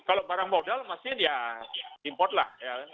kalau barang modal maksudnya ya import lah